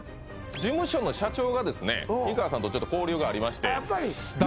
事務所の社長がですね美川さんとちょっと交流がありましてああ